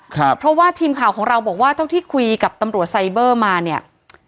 เพราะว่าทีมข่าวของเราบอกว่าเท่าที่คุยกับตำรวจไซเบอร์มาเนี่ย